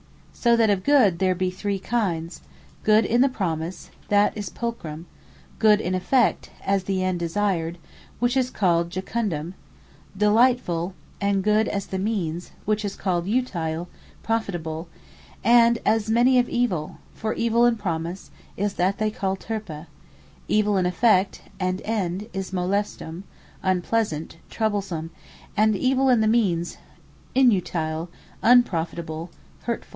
So that of Good there be three kinds; Good in the Promise, that is Pulchrum; Good in Effect, as the end desired, which is called Jucundum, Delightfull; and Good as the Means, which is called Utile, Profitable; and as many of evill: For evill, in Promise, is that they call Turpe; evill in Effect, and End, is Molestum, Unpleasant, Troublesome; and evill in the Means, Inutile, Unprofitable, Hurtfull.